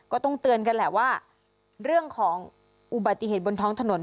ก็ต้องเตือนกันแหละว่าเรื่องของอุบัติเหตุบนท้องถนน